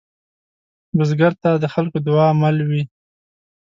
بزګر ته د خلکو دعاء مل وي